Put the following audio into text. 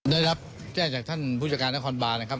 ได้รับแจ้งจากท่านผู้จัดการนครบานนะครับ